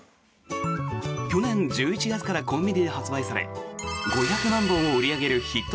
去年１１月からコンビニで発売され５００万本を売り上げるヒット